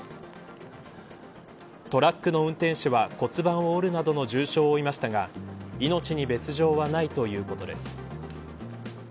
トラックの運転手は骨盤を折るなどの重傷を負いましたが命に別条はないということです。